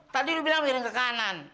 tadi lu bilang miring ke kanan